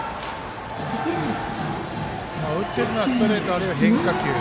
打ってるのはストレートあるいは変化球。